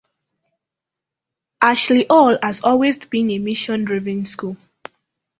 Ashley Hall has always been a mission-driven school.